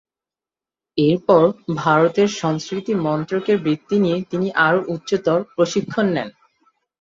এরপর ভারতের সংস্কৃতি মন্ত্রকের বৃত্তি নিয়ে তিনি আরও উচ্চতর প্রশিক্ষণ নেন।